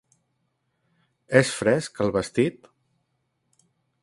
És fresc, el vestit?